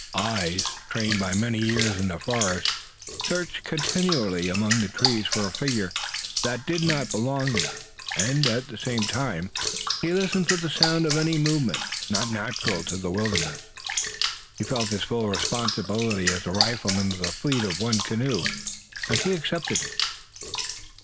Eyes, trained by many years in the forest, searched continually among the trees for a figure that did not belong there, and, at the same time, he listened for the sound of any movement not natural to the wilderness. He felt his full responsibility as the rifleman of the fleet of one canoe, and he accepted it.